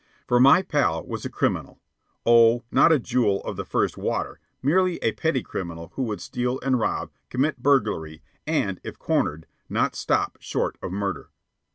For my pal was a criminal oh, not a jewel of the first water, merely a petty criminal who would steal and rob, commit burglary, and, if cornered, not stop short of murder.